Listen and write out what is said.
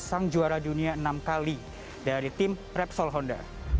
sang juara dunia enam kali dari tim repsol honda